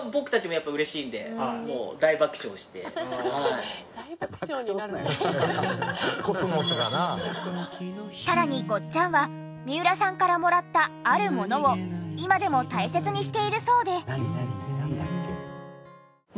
「うす紅の秋桜が」さらにごっちゃんは三浦さんからもらったあるものを今でも大切にしているそうで。